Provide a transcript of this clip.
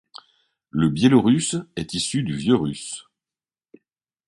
Le biélorusse est issu du vieux russe.